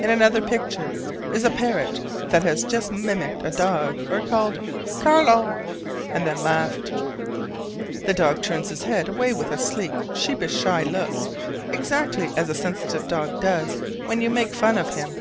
In another picture is a parrot that has just mimicked a dog, or called "Carlo!" and then laughed: the dog turns his head away with a sleek, sheepish, shy look, exactly as a sensitive dog does when you make fun of him.